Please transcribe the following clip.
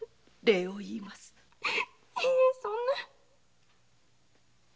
いいえそんな。